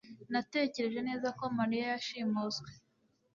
Natekereje neza ko mariya yashimuswe